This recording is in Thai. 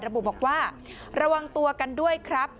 ระบุบอกว่าระวังตัวกันด้วยครับ